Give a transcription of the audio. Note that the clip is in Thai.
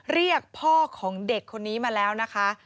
เรียกพ่อของเด็กคนนี้มาแล้วนะคะ